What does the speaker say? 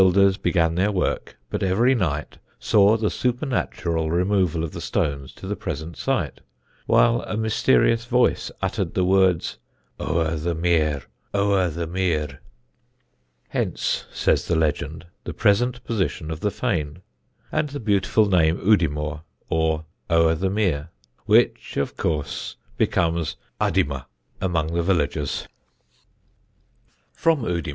The builders began their work, but every night saw the supernatural removal of the stones to the present site, while a mysterious voice uttered the words "O'er the mere! O'er the mere!" Hence, says the legend, the present position of the fane, and the beautiful name Udimore, or "O'er the mere," which, of course, becomes Uddymer among the villagers. [Illustration: _Brede Place.